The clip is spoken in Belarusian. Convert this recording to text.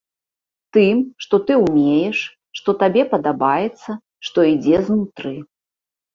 Тым, што ты ўмееш, што табе падабаецца, што ідзе знутры.